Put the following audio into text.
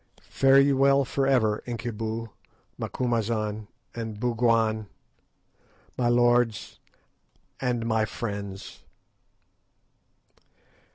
Fare ye well for ever, Incubu, Macumazahn, and Bougwan, my lords and my friends."